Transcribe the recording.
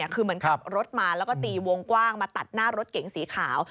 คือเหมือนขับรถมาแล้วก็ตีวงกว้างมาตัดหน้ารถเก๋งสีขาว